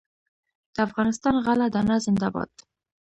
د افغانستان غله دانه زنده باد.